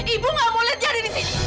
ibu gak mau lihat dia ada di sini